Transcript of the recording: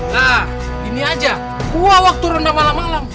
nah ini aja wah waktu rendah malam malam